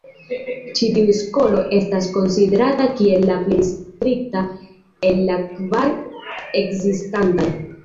Ĉi tiu skolo estas konsiderata kiel la plej strikta el la kvar ekzistantaj.